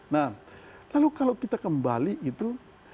nah lalu kalau kita kembali gitu